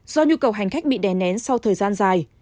do nhu cầu hành khách bị đè nén sau thời gian dài